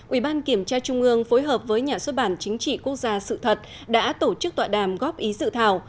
ubkt trung ương phối hợp với nhà xuất bản chính trị quốc gia sự thật đã tổ chức tọa đàm góp ý dự thảo